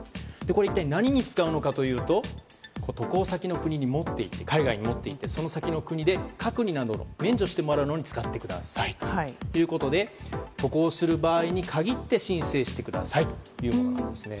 一体何に使うのかというと渡航先の国海外に持って行ってその先の国で隔離などを免除するのに使ってくださいということで渡航する場合に限って申請してくださいということです。